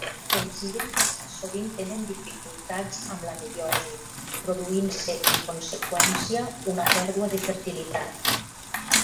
Els híbrids sovint tenen dificultats amb la meiosi produint-se, en conseqüència, una pèrdua de fertilitat.